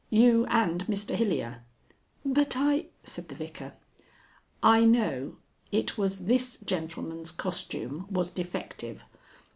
You and Mr Hilyer." "But I " said the Vicar. "I know. It was this gentleman's costume was defective.